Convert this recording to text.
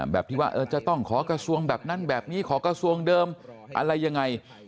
แบบที่ว่าจะต้องขอกระทรวงแบบนั้นแบบนี้ขอกระทรวงเดิมอะไรยังไง